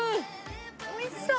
おいしそう！